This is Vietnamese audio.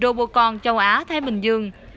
vô địch robocon châu á thái bình dương